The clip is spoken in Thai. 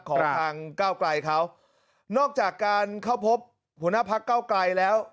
ของทางก้าวไกลเขานอกจากการเข้าพบหัวหน้าพักเก้าไกลแล้ว